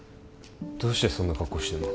どうしてそんな格好してんの？